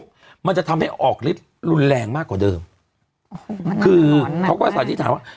แล้วมันจะทำให้ออกลิฟต์รุนแรงมากกว่าเดิมคือเขาก็สาธิษฐานว่า